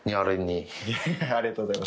ありがとうございます。